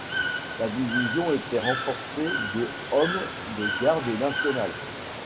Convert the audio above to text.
La division était renforcée de hommes de garde nationale.